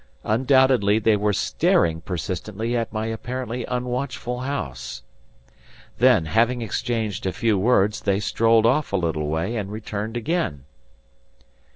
Undoubtedly, they were staring persistently at my apparently unwatchful house. Then, having exchanged a few words, they strolled off a little way, and returned again.